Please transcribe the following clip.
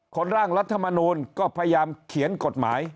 ร่างรัฐมนูลก็พยายามเขียนกฎหมาย